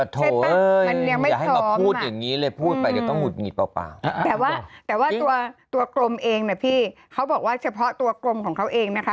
แต่ว่าตัวกรมเองพี่เขาบอกว่าเฉพาะตัวกรมของเขาเองนะคะ